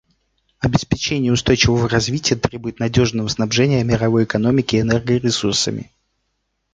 Обеспечение устойчивого развития требует надежного снабжения мировой экономики энергоресурсами.